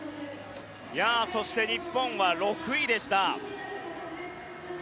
そして日本は６位でした。